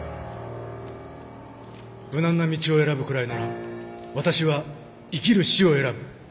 無難な道を選ぶくらいなら私は生きる死を選ぶ。